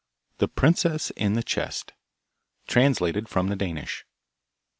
The Princess in the Chest Translated from the Danish.